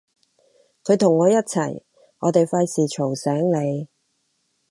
佢同我一齊，我哋費事嘈醒你